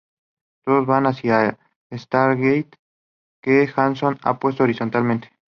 Todos van hacia el Stargate, que Hanson ha puesto horizontalmente.